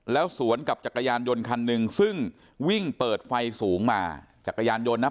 แล้วสวนกับจักรยานยนต์คันหนึ่งซึ่งวิ่งเปิดไฟสูงมาจักรยานยนต์นะ